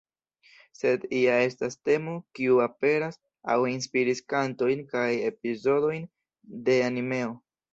Sed ja estas temo kiu aperas aŭ inspiris kantojn kaj epizodojn de animeo.